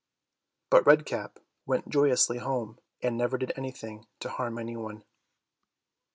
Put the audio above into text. But Red Cap went joyously home, and never did anything to harm any one.